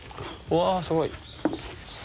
うわすごい。